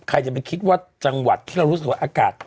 ใครจะไปคิดว่าจังหวัดที่เรารู้สึกว่าอากาศ